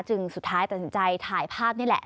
สุดท้ายตัดสินใจถ่ายภาพนี่แหละ